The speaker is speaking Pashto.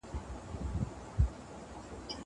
هغه څوک چي مېوې وچوي قوي وي.